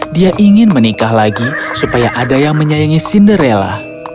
dia ingin menikah lagi supaya ada yang menyayangi cinderella